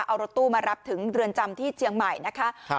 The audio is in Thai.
เอารถตู้มารับถึงเรือนจำที่เชียงใหม่นะคะ